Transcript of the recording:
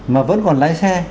mà vẫn còn lái xe